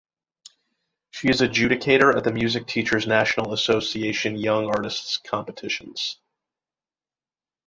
She is an judicator at the Music Teachers' National Association Young Artist Competitions.